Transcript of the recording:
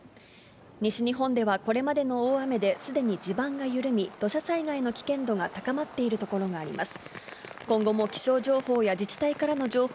西日本ではこれまでの大雨で、すでに地盤が緩み、土砂災害の危険度が高まっている所があります。